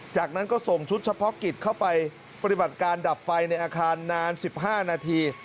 จากนั้นก็ส่งชุดเฉพาะกิจเข้าไปปฏิบัติการดับไฟในอาคารนาน๑๕นาที